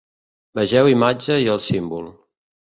Vegeu imatge i el símbol.